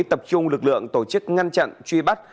tập trung lực lượng tổ chức ngăn chặn truy bắt